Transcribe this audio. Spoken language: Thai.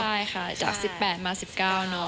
ใช่ค่ะจาก๑๘มา๑๙เนอะ